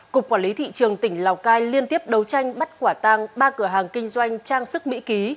cục quản lý thị trường tỉnh lào cai liên tiếp đấu tranh bắt quả tang ba cửa hàng kinh doanh trang sức mỹ ký